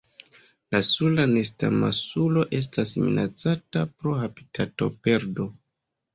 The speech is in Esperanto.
La Sula nestamasulo estas minacata pro habitatoperdo.